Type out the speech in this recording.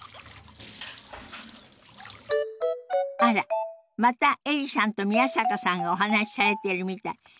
あらまたエリさんと宮坂さんがお話しされてるみたい。